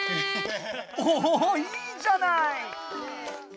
おおいいじゃない！